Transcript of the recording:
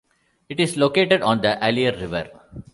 It is located on the Allier River.